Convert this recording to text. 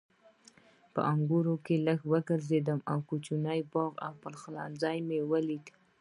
په انګړ کې لږ وګرځېدم، کوچنی باغ او پخلنځی مې ولیدل.